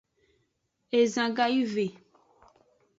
Ezan gawive.